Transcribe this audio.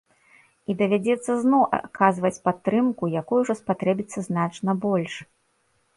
І давядзецца зноў аказваць падтрымку, якой ужо спатрэбіцца значна больш.